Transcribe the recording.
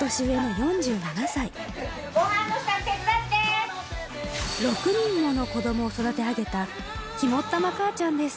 ごはんの支度、６人もの子どもを育て上げた肝っ玉母ちゃんです。